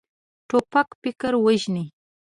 توپک فکر وژني.